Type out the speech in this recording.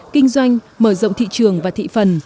kinh doanh mở rộng thị trường và thị phần